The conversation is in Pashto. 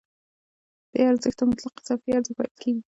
دې ارزښت ته مطلق اضافي ارزښت ویل کېږي